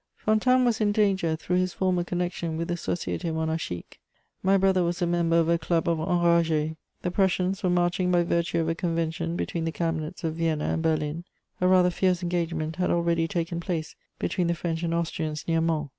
Fontanes was in danger through his former connection with the Société Monarchique. My brother was a member of a club of enragés. The Prussians were marching by virtue of a convention between the Cabinets of Vienna and Berlin; a rather fierce engagement had already taken place between the French and Austrians near Mons.